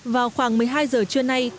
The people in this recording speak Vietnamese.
vào khoảng một mươi hai giờ trưa nay